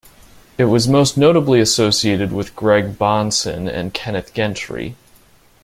It was most notably associated with Greg Bahnsen and Kenneth Gentry.